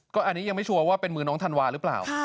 ก็อันนี้ยังไม่ชัวร์ว่าเป็นมือน้องธันวาหรือเปล่า